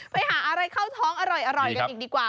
ไปหาอะไรเข้าท้องอร่อยกันอีกดีกว่า